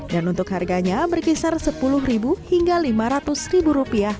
dan untuk harganya berkisar sepuluh hingga lima ratus rupiah